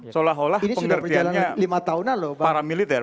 seolah olah pengertiannya para militer